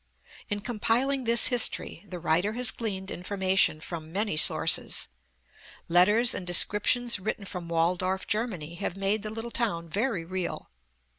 In compiling this history, the writer has gleaned in formation from many sources. Letters and descrip tions written from Waldorf, Germany, have made the little town ver}^ real.